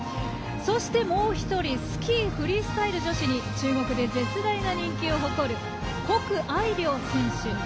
そしてもう１人スキー・フリースタイル女子に中国で絶大な人気を誇る谷愛凌選手。